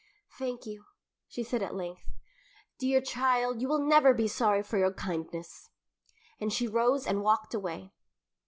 "Thank you," she said at length. "Dear child, you will never be sorry for your kindness;" and she rose and walked away.